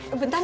eh bentar ya